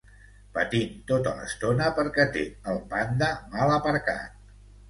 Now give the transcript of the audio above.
Patint tota l'estona, perquè té el Panda mal aparcat.